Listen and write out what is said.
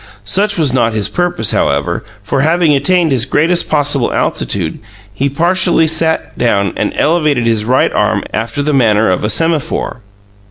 Such was not his purpose, however, for, having attained his greatest possible altitude, he partially sat down and elevated his right arm after the manner of a semaphore.